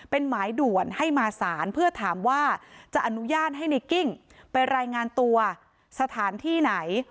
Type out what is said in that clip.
เป็นหมายด่วนให้มาสารเพื่อถามว่าจะอนุญาตให้ในกิ้งไปรายงานตัวสถานที่ไหน